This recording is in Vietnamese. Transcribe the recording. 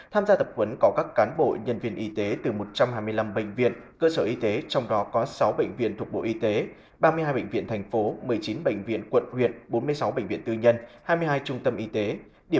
tham gia tập huấn có các cán bộ nhân viên y tế từ một trăm hai mươi năm bệnh viện cơ sở y tế trong đó có sáu bệnh viện thuộc bộ y tế ba mươi hai bệnh viện thành phố một mươi chín bệnh viện quận huyện bốn mươi sáu bệnh viện tư nhân hai mươi hai trung tâm y tế